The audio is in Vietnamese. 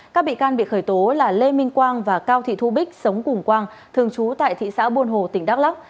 các bị can bị khởi tố là lê minh quang và cao thị thu bích sống cùng quang thường trú tại thị xã buôn hồ tỉnh đắk lắc